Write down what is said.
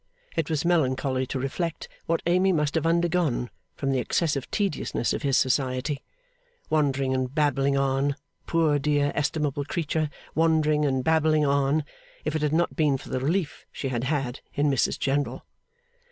It was melancholy to reflect what Amy must have undergone from the excessive tediousness of his Society wandering and babbling on, poor dear estimable creature, wandering and babbling on if it had not been for the relief she had had in Mrs General.